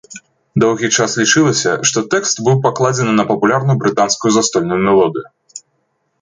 Доўгі час лічылася, што тэкст быў пакладзены на папулярную брытанскую застольную мелодыю.